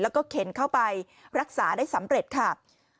แล้วก็เข็นเข้าไปรักษาได้สำเร็จค่ะ